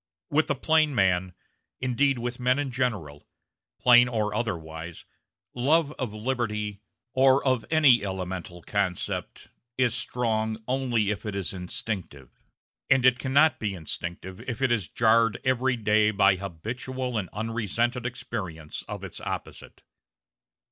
With the plain man indeed with men in general, plain or otherwise love of liberty, or of any elemental concept, is strong only if it is instinctive; and it cannot be instinctive if it is jarred every day by habitual and unresented experience of its opposite.